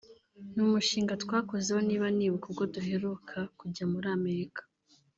ni umushinga twakozeho niba nibuka ubwo duheruka kujya muri Amerika